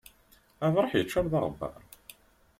Abraḥ yeččur d aɣebbar.